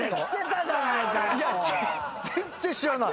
いや全然知らない。